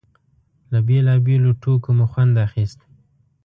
له بېلابېلو ټوکو مو خوند اخيست.